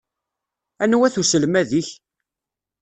Anwa-t uselmad-ik?